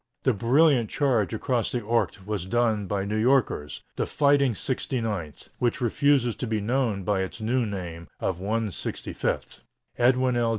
The brilliant charge across the Ourcq was done by New Yorkers the "fighting 69th," which refuses to be known by its new name of "165th." Edwin L.